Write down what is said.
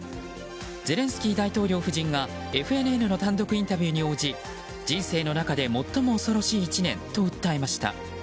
ゼレンスキー大統領夫人がＦＮＮの単独インタビューに応じ人生の中で最も恐ろしい１年と訴えました。